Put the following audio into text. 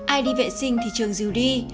ai đi vệ sinh thì trường giữ đi